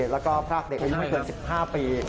แล้วก็พรากเด็กอายุไม่เกิน๑๕ปี